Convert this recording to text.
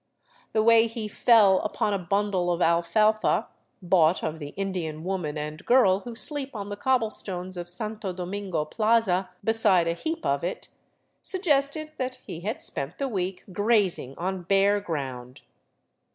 The way he fell upon a bundle of alfalfa, bought of the Indian woman and girl who sleep on the cobblestones of Santo Domingo plaza beside a heap of it, suggested that he had spent the week grazing on bare ground.